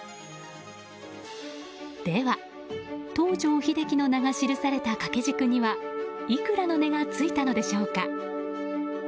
では、東條英機の名が記された掛け軸にはいくらの値がついたのでしょうか。